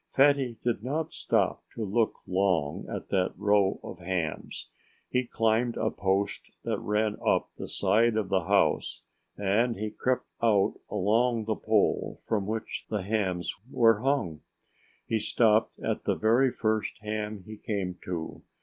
Fatty did not stop to look long at that row of hams. He climbed a post that ran up the side of the house and he crept out along the pole from which the hams were hung. He stopped at the very first ham he came to.